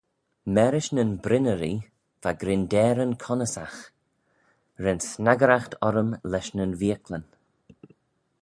Marish ny brynnyree va grindeyryn connyssagh: ren snaggeraght orrym lesh nyn veeacklyn.